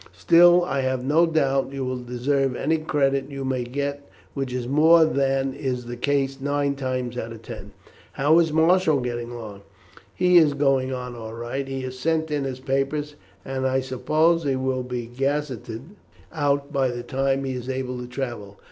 Still, I have no doubt you will deserve any credit you may get, which is more than is the case nine times out of ten." "How is Marshall getting on?" "He is going on all right. He has sent in his papers, and I suppose he will be gazetted out by the time he is able to travel.